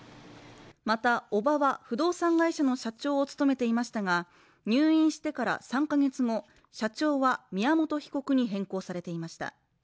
また、叔母は不動産会社の社長を務めていましたが、入院してから３ヶ月後社長は宮本被告に変更されていました。